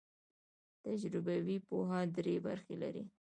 تجربوي پوهه درې برخې لري.